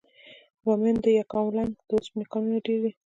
د بامیان د یکاولنګ د اوسپنې کانونه ډیر دي.